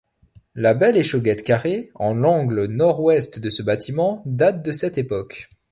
La belle échauguette carrée, en l'angle nord-ouest de ce bâtiment, date de cette époque.